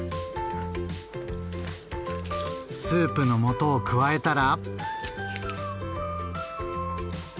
スープの素を加えたら。